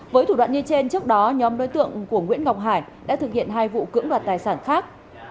với thủ đoạn như trên trước đó nhóm đối tượng của nguyễn ngọc hải đã thực hiện hai vụ cưỡng đoạt tài sản khác